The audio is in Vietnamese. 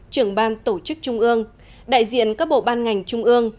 trưởng ban tổ chức trung ương đại diện các bộ ban ngành trung ương